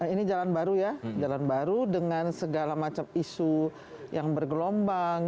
ini jalan baru ya jalan baru dengan segala macam isu yang bergelombang